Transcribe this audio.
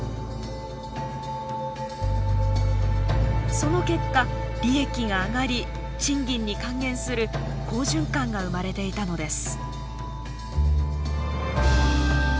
その結果利益が上がり賃金に還元する好循環が生まれていたのです。